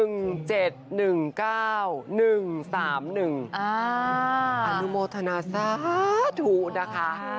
อนุโมทนาสาธุนะคะ